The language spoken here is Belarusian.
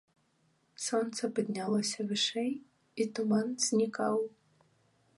Сонца паднялося вышэй, і туман знікаў.